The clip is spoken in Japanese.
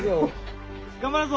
頑張るぞ！